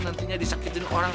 nantinya disakitin orang